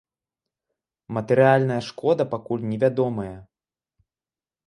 Матэрыяльная шкода пакуль невядомая.